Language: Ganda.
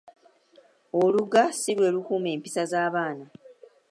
Oluga si lwe lukuuma empisa z’abaana.